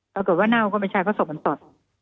ถ้าเกิดว่าเน่าก็ไม่ใช่เพราะสกมันสด